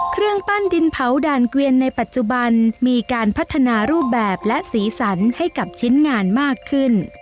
เครื่องปั้นดินเผาด่านเกวียนในปัจจุบันมีการพัฒนารูปแบบและสีสันให้กับชิ้นงานมากขึ้น